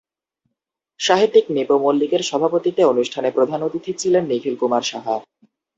সাহিত্যিক নিপু মল্লিকের সভাপতিত্বে অনুষ্ঠানে প্রধান অতিথি ছিলেন নিখিল কুমার সাহা।